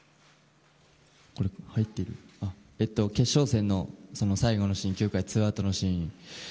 決勝戦の最後のシーン９回ツーアウトのシーン。